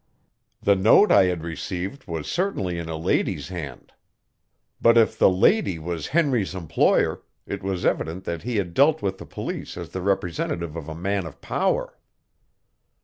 The note I had received was certainly in a lady's hand. But if the lady was Henry's employer, it was evident that he had dealt with the police as the representative of a man of power.